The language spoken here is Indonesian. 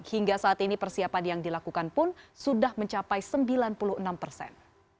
hingga saat ini persiapan yang dilakukan pun sudah mencapai sembilan puluh enam persen